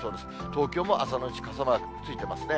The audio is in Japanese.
東京も朝のうち傘マークついてますね。